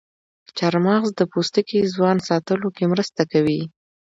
چارمغز د پوستکي ځوان ساتلو کې مرسته کوي.